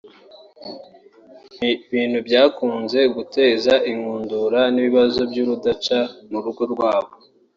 ibintu byakunze guteza inkundura n’ibibazo by’urudaca mu rugo rwabo